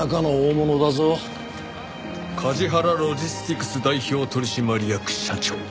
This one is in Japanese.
「カジハラロジスティクス代表取締役社長」